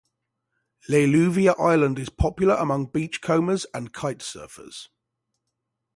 Leleuvia Island is popular among beachcombers and kite surfers.